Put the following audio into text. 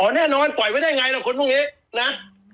อ๋อแน่นอนปล่อยไว้ได้ไงแล้วคนพรุ่งนี้นะ